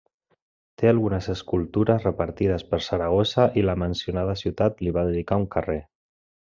Té algunes escultures repartides per Saragossa i la mencionada ciutat li va dedicar un carrer.